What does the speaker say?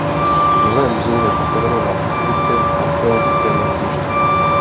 Nové muzeum je postaveno na historickém archeologickém nalezišti.